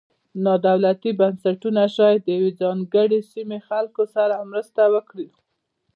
نا دولتي بنسټونه شاید د یوې ځانګړې سیمې خلکو سره مرسته وکړي.